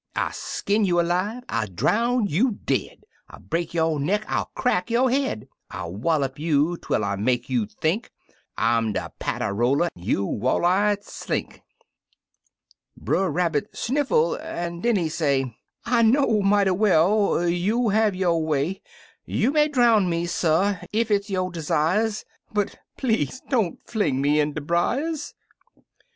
I'll skin you alive, I'll drown you deadl I'll break yo' neck, I'll crack yo' head — I'll wallop you twel 1 make you think I'm de patter roller, you wall eyed slink 1" Brer Rabbit sniffle, an' den he say, " I know mighty well you'll have yo' way: You may drown me, suh, ef it's yo' desires, But please don't fling me in de briers!